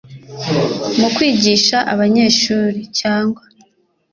mu kwigisha abanyeshuri cyangwa